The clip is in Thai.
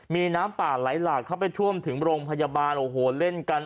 มีน้ำป่าไหลหลากเข้าไปท่วมถึงโรงพยาบาลโอ้โหเล่นกัน